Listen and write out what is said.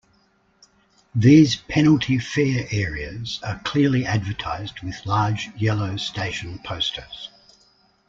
These penalty fare areas are clearly advertised with large yellow station posters.